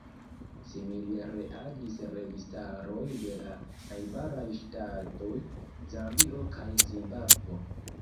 Simile reagis registaroj de la najbaraj ŝtatoj Zambio kaj Zimbabvo.